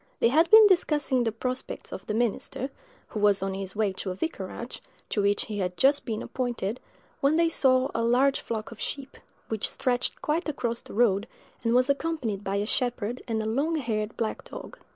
They had been discussing the prospects of the minister, who was on his way to a vicarage, to which he had just been appointed, when they saw a large flock of sheep, which stretched quite across the road, and was accompanied by a shepherd and a long haired black dog.